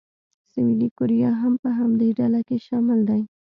سویلي کوریا هم په همدې ډله کې شامل دی.